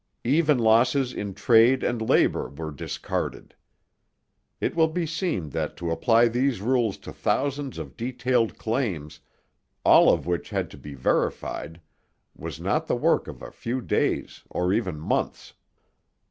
Even losses in trade and labour were discarded. It will be seen that to apply these rules to thousands of detailed claims, all of which had to be verified, was not the work of a few days, or even months.